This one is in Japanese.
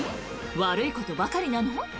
悪いことばかりなの？